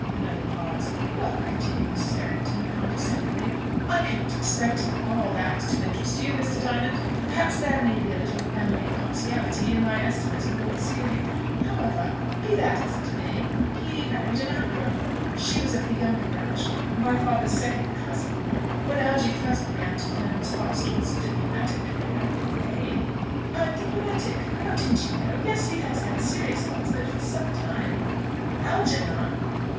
Another pause. "Well," continued Mrs. Errington, condescendingly, "I cannot expect all that to interest you, Mr. Diamond. Perhaps there may be a little family partiality, in my estimate of Lord Seely. However, be that as it may, he married an Ancram. She was of the younger branch, my father's second cousin. When Algy first began to turn his thoughts towards a diplomatic career " "Eh?" "A diplomatic Oh, didn't you know? Yes; he has had serious thoughts of it for some time." "Algernon?"